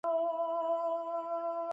ایا د شیدو محصولات ګټور وی؟